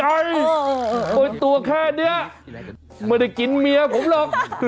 เปิดตัวแค่นี้ไม่ได้กินเมียผมหรอก